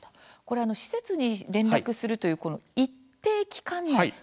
施設に連絡する一定期間内